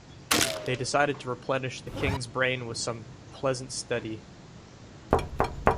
They decided to replenish the king's brain with some pleasant study.